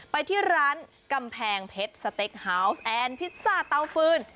ไปที่ร้านกำแพงเพชรสเต็กฮาวส์แอนพิซซ่าเตาฟืน